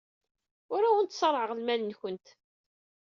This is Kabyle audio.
Ur awent-ṣerrɛeɣ lmal-nwent.